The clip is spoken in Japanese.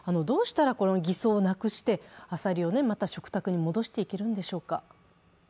どうしたら偽装をなくしてアサリを食卓に戻していけるんでしょうか。